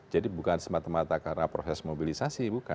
jadi bukan semata mata karena proses mobilisasi bukan